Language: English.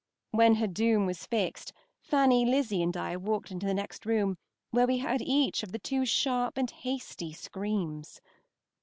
When her doom was fixed, Fanny, Lizzy, and I walked into the next room, where we heard each of the two sharp and hasty screams.